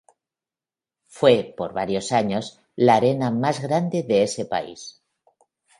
Fue, por varios años, la arena más grande de ese país.